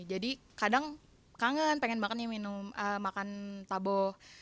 jadi kadang kangen pengen makan taboh